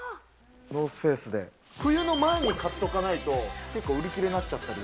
ノース・フェースで冬の前に買っとかないと結構売り切れになっちゃったり。